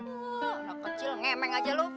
anak kecil ngemeng aja lo